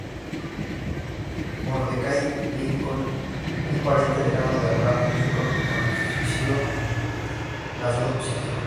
Mordecai Lincoln, un pariente lejano de Abraham Lincoln, ofició las nupcias.